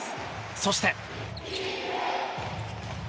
そして。